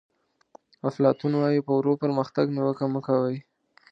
افلاطون وایي په ورو پرمختګ نیوکه مه کوئ.